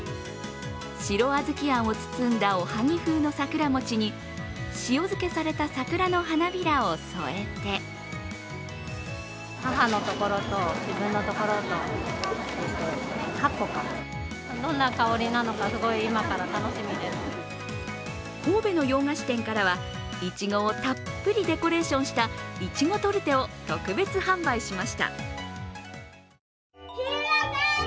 白あずきあんを包んだおはぎ風のさくら餅に塩漬けされた桜の花びらを添えて神戸の洋菓子店からはいちごをたっぷりデコレーションした苺トルテを特別販売しました。